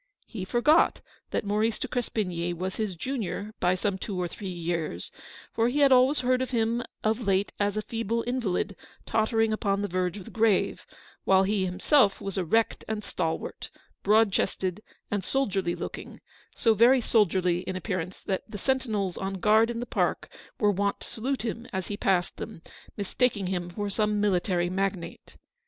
He forgot that Maurice de Crespigny was his junior by some two or three years ; for he had always heard of him of late as a feeble invalid tottering upon the verge of the grave ; while he himself was erect and stal wart, broad chested and soldierly looking ; so very soldierly in appearance that the sentinels on guard in the park were wont to salute him as he passed them, mistaking him for some military magnate.